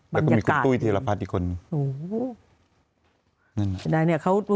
แล้วก็มีคุณตุ้ยธีรพัฒน์อีกคนนึง